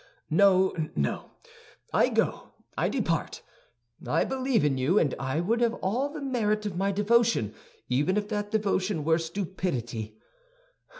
"No, no; I go, I depart! I believe in you, and I would have all the merit of my devotion, even if that devotion were stupidity.